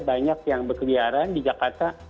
banyak yang berkeliaran di jakarta